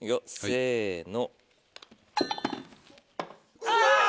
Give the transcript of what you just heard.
せの。